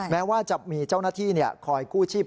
แม้ว่าจะมีเจ้าหน้าที่คอยกู้ชีพ